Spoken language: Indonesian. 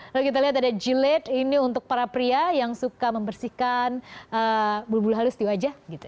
lalu kita lihat ada jiled ini untuk para pria yang suka membersihkan bulu bulu halus di wajah gitu